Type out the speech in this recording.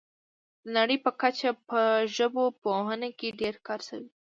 د نړۍ په کچه په ژبپوهنه کې ډیر کار شوی دی